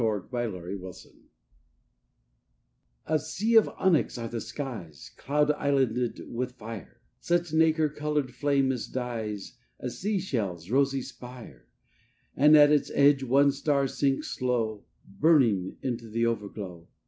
SUNSET ON THE RIVER I A sea of onyx are the skies, Cloud islanded with fire; Such nacre colored flame as dyes A sea shell's rosy spire; And at its edge one star sinks slow, Burning, into the overglow.